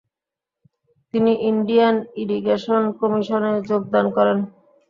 তিনি Indian irrigation কমিশনে যোগদান করেন।